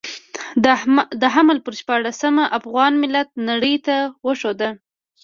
د حمل پر شپاړلسمه افغان ملت نړۍ ته وښوده.